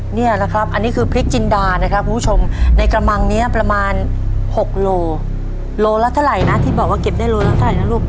นี่แหละครับอันนี้คือพริกจินดานะครับคุณผู้ชมในกระมังนี้ประมาณ๖โลโลละเท่าไหร่นะที่บอกว่าเก็บได้โลละเท่าไหร่นะลูก